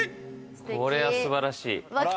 これは素晴らしい！